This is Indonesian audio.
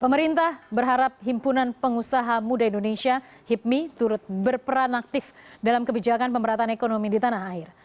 pemerintah berharap himpunan pengusaha muda indonesia hipmi turut berperan aktif dalam kebijakan pemerintahan ekonomi di tanah air